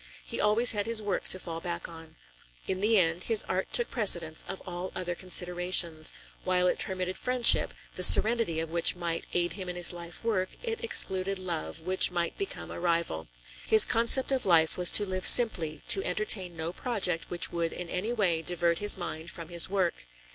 He always had his work to fall back on. In the end, his art took precedence of all other considerations; while it permitted friendship, the serenity of which might aid him in his life work, it excluded love, which might become a rival. His concept of life was to live simply, to entertain no project which would in any way divert his mind from his work.